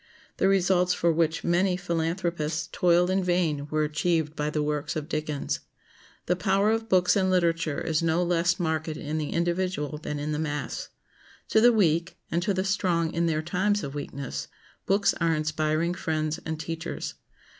The results for which many philanthropists toiled in vain were achieved by the works of Dickens. The power of books and literature is no less marked in the individual than in the mass. To the weak, and to the strong in their times of weakness, books are inspiring friends and teachers.